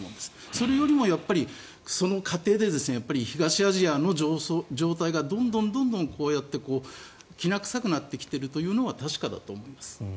それよりもその過程で東アジアの状態がどんどんこうやってきな臭くなってきているというのは確かだと思います。